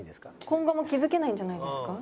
今後も気付けないんじゃないですか？